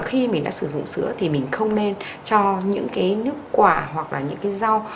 khi mình đã sử dụng sữa thì mình không nên cho những cái nước quả hoặc là những cái rau